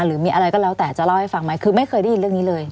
หรือมีอะไรก็แล้วแต่จะเล่าให้ฟังไหมคือไม่เคยได้ยินเรื่องนี้เลย